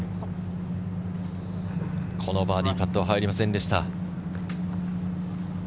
このバーディーパットは入りませんでした。